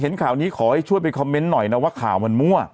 ข่าวนี้ขอให้ช่วยไปคอมเมนต์หน่อยนะว่าข่าวมันมั่ว